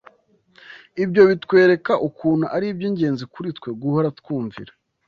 Ibyo bitwereka ukuntu ari iby’ingenzi kuri twe guhora twumvira